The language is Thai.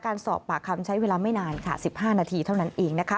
การสอบปากคำใช้เวลาไม่นานค่ะ๑๕นาทีเท่านั้นเองนะคะ